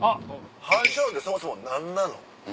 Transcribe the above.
反射炉ってそもそも何なの？